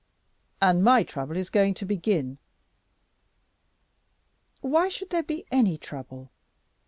"And my trouble is going to begin." "Why should there be any trouble?